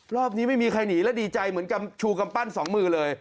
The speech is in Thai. รอบนี้ไม่มีใครหนีและดีใจเหมือนกับชูกำปั้นสองมือเลย